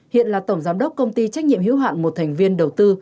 hiện là tổng giám đốc công ty trách nhiệm hiếu hạn một thành viên đầu tư